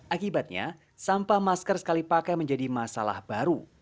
akibatnya sampah masker sekali pakai menjadi masalah baru